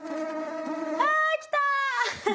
あ来た！